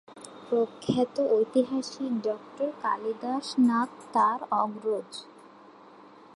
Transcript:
প্রখ্যাত ঐতিহাসিক ডাক্তার কালিদাস নাগ তার অগ্রজ।